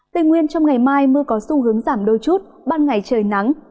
tây nguyên trong ngày mai mưa có xu hướng giảm đôi chút ban ngày trời nắng